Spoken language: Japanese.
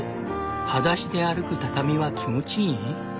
はだしで歩く畳は気持ちいい？